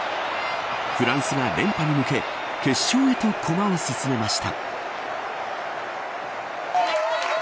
フランスが連覇に向け決勝へと駒を進めました。